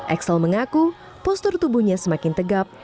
axel mengaku postur tubuhnya semakin tegap